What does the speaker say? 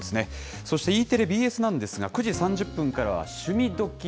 そしてＥテレ、ＢＳなんですが、９時３０分からは趣味どきっ！